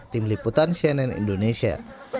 tim liputan cnn indonesia